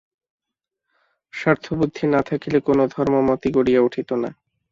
স্বার্থবুদ্ধি না থাকিলে কোন ধর্মমতই গড়িয়া উঠিত না।